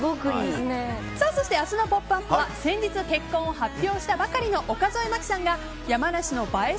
明日の「ポップＵＰ！」は先日、結婚を発表したばかりの岡副麻希さんが山梨の映え